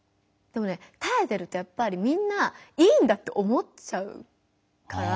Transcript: でもねたえてるとやっぱりみんな「いいんだ」って思っちゃうから。